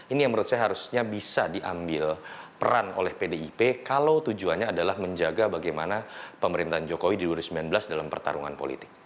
ini yang menurut saya harusnya bisa diambil peran oleh pdip kalau tujuannya adalah menjaga bagaimana pemerintahan jokowi di dua ribu sembilan belas dalam pertarungan politik